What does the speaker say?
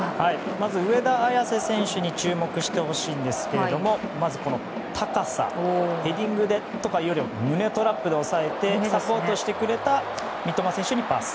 まず、上田綺世選手に注目してほしいんですがまず、高さヘディングでというよりも胸トラップで押さえてサポートしてくれた三笘選手にパス。